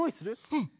うん！